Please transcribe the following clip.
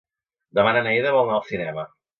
Demà na Neida vol anar al cinema.